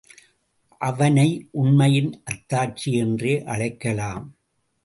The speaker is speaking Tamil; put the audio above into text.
அவனை உண்மையின் அத்தாட்சி, என்றே அழைக்கலாம்.